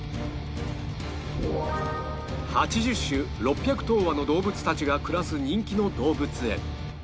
８０種６００頭羽の動物たちが暮らす人気の動物園